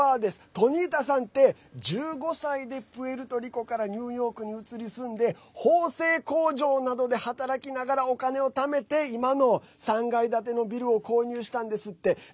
トニータさんって１５歳でプエルトリコからニューヨークに移り住んで縫製工場などで働きながらお金をためて今の３階建てのビルを購入したんですって。